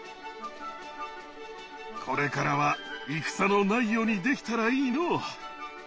これからは戦のない世にできたらいいのう。